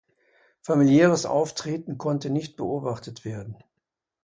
Familiäres Auftreten konnte nicht beobachtet werden.